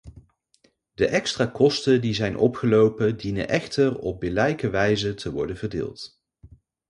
De extra kosten die zijn opgelopen dienen echter op billijke wijze te worden verdeeld.